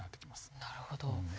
なるほど。